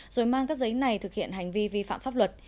rồi mang các giấy này thực hiện hành vi vi phạm pháp luật